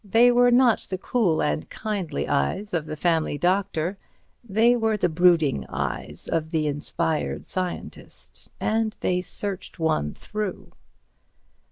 They were not the cool and kindly eyes of the family doctor, they were the brooding eyes of the inspired scientist, and they searched one through.